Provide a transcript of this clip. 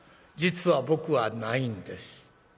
実は僕はないんです。